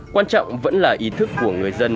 quan trọng vẫn là ý thức của người dân